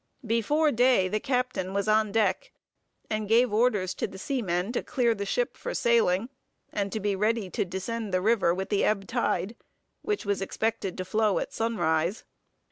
Before day the captain was on deck, and gave orders to the seamen to clear the ship for sailing, and to be ready to descend the river with the ebb tide, which was expected to flow at sunrise.